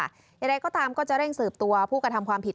อย่างไรก็ตามก็จะเร่งสืบตัวผู้กระทำความผิด